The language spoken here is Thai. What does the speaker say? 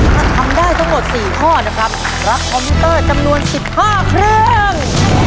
ถ้าทำได้ทั้งหมด๔ข้อนะครับรับคอมพิวเตอร์จำนวน๑๕เครื่อง